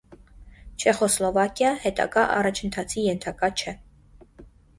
Չեխոսլովակիա, հետագա առաջընթացի ենթակա չէ։